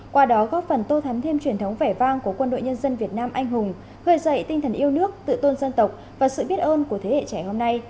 qua đó góp phần tô thắm thêm truyền thống vẻ vang của quân đội nhân dân việt nam anh hùng gợi dậy tinh thần yêu nước tự tôn dân tộc và sự biết ơn của thế hệ trẻ hôm nay